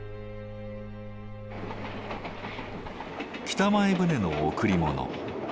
北前船の贈りもの。